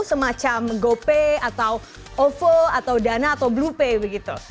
semacam gopay atau ovo atau dana atau blupay begitu